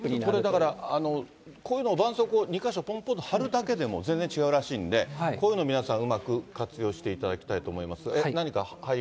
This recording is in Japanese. これ、だからこういうの、ばんそうこうを２か所ぽんぽんと貼るだけでも全然違うらしいんで、こういうのを皆さん、うまく活用していただきたいと思います。